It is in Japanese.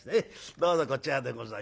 どうぞこちらでござい。